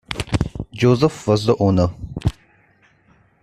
Joseph was the Owner.